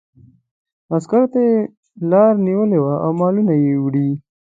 عسکرو ته لاره نیولې وه او مالونه یې وړي.